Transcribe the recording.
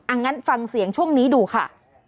งั้นฟังเสียงช่วงนี้ดูค่ะ